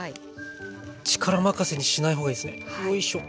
力任せにしない方がいいですねよいしょ。